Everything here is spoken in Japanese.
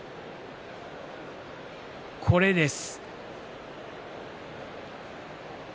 これです。